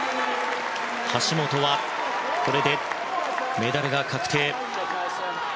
橋本はこれでメダルが確定。